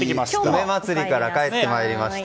梅まつりから帰ってきました。